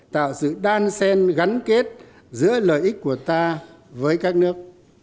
tạo sự đan sen gắn kết giữa lợi ích của ta với các nước